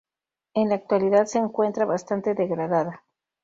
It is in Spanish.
En la actualidad se encuentra bastante degradada.